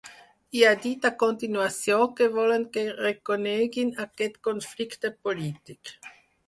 I ha dit a continuació que volen que reconeguin aquest conflicte polític.